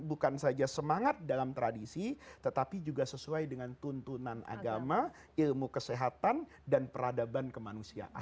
bukan saja semangat dalam tradisi tetapi juga sesuai dengan tuntunan agama ilmu kesehatan dan peradaban kemanusiaan